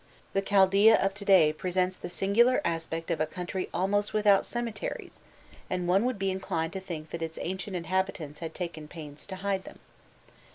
The Chaldaea of to day presents the singular aspect of a country almost without cemeteries, and one would be inclined to think that its ancient inhabitants had taken pains to hide them.